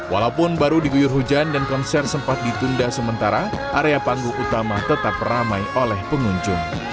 walaupun baru diguyur hujan dan konser sempat ditunda sementara area panggung utama tetap ramai oleh pengunjung